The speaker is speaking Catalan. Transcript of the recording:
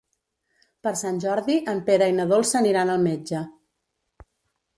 Per Sant Jordi en Pere i na Dolça aniran al metge.